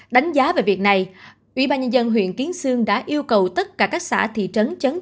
đánh giá về việc này ubnd huyện kiến sương đã yêu cầu tất cả các xã thị trấn